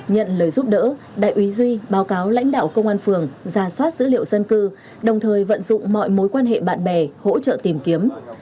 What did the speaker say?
nhận lời giúp đỡ đại úy duy báo cáo lãnh đạo công an phường ra soát dữ liệu dân cư đồng thời vận dụng mọi mối quan hệ bạn bè hỗ trợ tìm kiếm